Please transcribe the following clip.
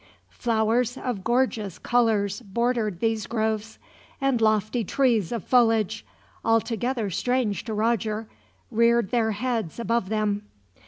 Flowers of gorgeous colors bordered these groves, and lofty trees of foliage, altogether strange to Roger, reared their heads above them.